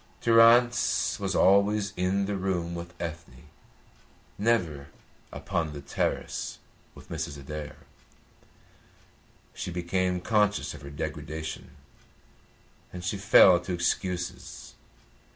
Durrance was always in the room with Ethne, never upon the terrace with Mrs. Adair. She became conscious of her degradation, and she fell to excuses.